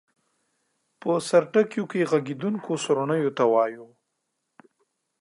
په سرټکیو کې غږېدونکیو سورڼیو ته وایو.